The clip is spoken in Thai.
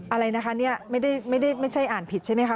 อะไรนะคะเนี่ยไม่ใช่อ่านผิดใช่มั้ยคะ